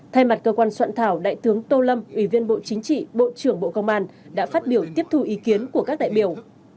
thay mặt cơ quan soạn thảo đại tướng tô lâm ủy viên bộ chính trị bộ trưởng bộ công an đã phát biểu tiếp thu ý kiến của các đại biểu